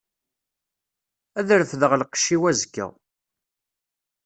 Ad refdeɣ lqecc-iw azekka.